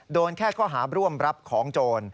โดนแค่ข้อหาร่วมรับของโจร